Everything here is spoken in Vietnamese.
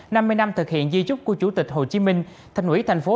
năm mươi năm thực hiện di trúc của chủ tịch hồ chí minh thành ủy thành phố